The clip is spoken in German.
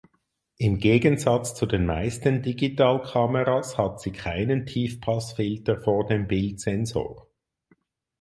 Im Gegensatz zu den meisten Digitalkameras hat sie keinen Tiefpassfilter vor dem Bildsensor.